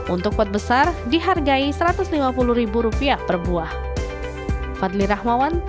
untuk pot besar dihargai rp satu ratus lima puluh per buah